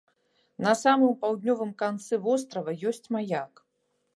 На самым паўднёвым канцы вострава ёсць маяк.